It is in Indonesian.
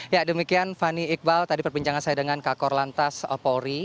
ya demikian fani iqbal tadi perbincangan saya dengan kakor lantas polri